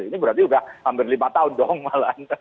ini berarti sudah hampir lima tahun dong malah